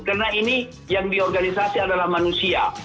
karena ini yang di organisasi adalah manusia